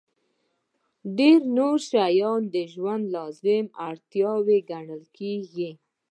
ډېر نور شیان د ژوند لازمي اړتیاوې ګڼل کېږي.